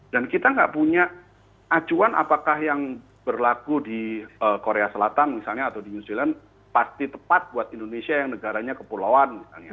dan kita nggak punya acuan apakah yang berlaku di korea selatan misalnya atau di new zealand pasti tepat buat indonesia yang negaranya kepulauan misalnya